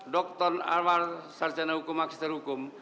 dr arwar sarjana hukum magisterikum